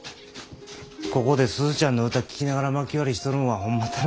ここで鈴ちゃんの歌聴きながらまき割りしとるんはホンマ楽しいんだす。